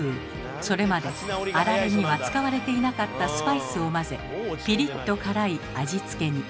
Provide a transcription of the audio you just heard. それまであられには使われていなかったスパイスを混ぜピリッと辛い味付けに。